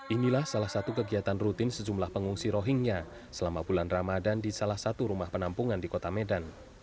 inilah salah satu kegiatan rutin sejumlah pengungsi rohingya selama bulan ramadan di salah satu rumah penampungan di kota medan